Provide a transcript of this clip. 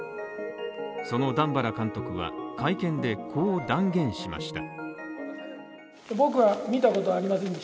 その段原監督は会見で、こう断言しました。